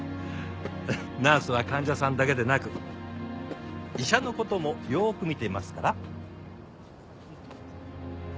ナースは患者さんだけでなく医者の事もよーく見ていますから。